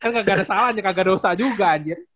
kan gak ada salah gak ada dosa juga anjir